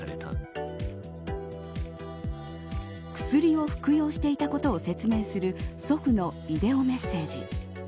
薬を服用していたことを説明する祖父のビデオメッセージ。